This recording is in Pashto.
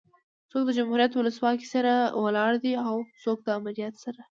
څوک د جمهوريت ولسواکي سره ولاړ دي او څوک ده امريت سره